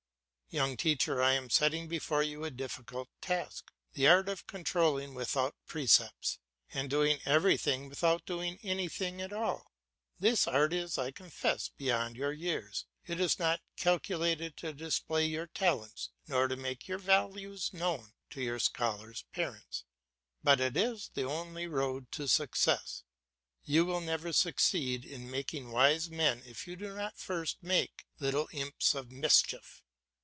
Young teacher, I am setting before you a difficult task, the art of controlling without precepts, and doing everything without doing anything at all. This art is, I confess, beyond your years, it is not calculated to display your talents nor to make your value known to your scholar's parents; but it is the only road to success. You will never succeed in making wise men if you do not first make little imps of mischief.